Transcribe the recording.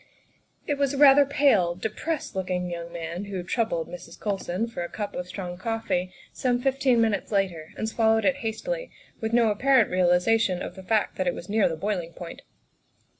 It was a rather pale, depressed looking young man who " troubled" Mrs. Colson for a cup of strong coffee 68 THE WIFE OF some fifteen minutes later and swallowed it hastily, with no apparent realization of the fact that it was near the boiling point.